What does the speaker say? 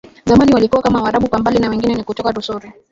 zamani walikuwa kama Waarabu kwa mbali na wengi ni kutoka Rusori